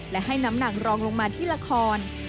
และให้น้ำหนักรองลงมาที่ละคร